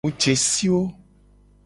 Mu je si wo.